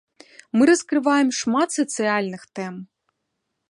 Мы раскрываем шмат сацыяльных тэм.